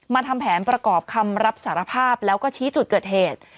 ทำแผนประกอบคำรับสารภาพแล้วก็ชี้จุดเกิดเหตุ